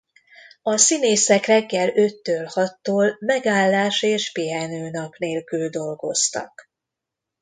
A színészek reggel öttől-hattól megállás és pihenőnap nélkül dolgoztak.